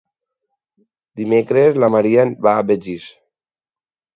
Dimecres na Maria va a Begís.